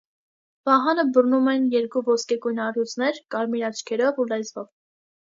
Վահանը բռնում են երկու ոսկեգույն առյուծներ՝ կարմիր աչքերով ու լեզվով։